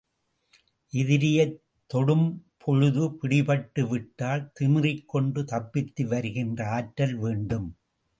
எதிரியைத் தொடும்பொழுது பிடிபட்டு விட்டால், திமிறிக்கொண்டு தப்பித்து வருகின்ற ஆற்றல் வேண்டும்.